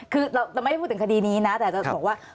คือเราจะไม่ได้พูดถึงคดีนี้นะแต่จะบอกว่า